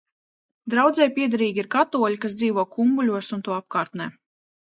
Draudzei piederīgi ir katoļi, kas dzīvo Kumbuļos un to apkārtnē.